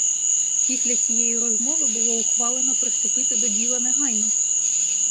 Після цієї розмови було ухвалено приступити до діла негайно.